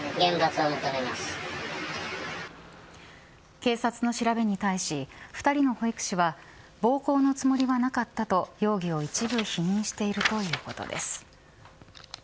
警察の調べに対し２人の保育士は暴行のつもりはなかったと容疑を一部否認しているということです。